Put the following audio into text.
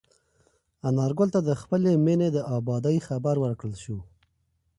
انارګل ته د خپلې مېنې د ابادۍ خبر ورکړل شو.